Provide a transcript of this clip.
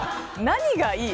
何がいい？